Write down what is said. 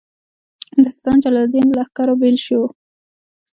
د سلطان جلال الدین له لښکرو بېل شول.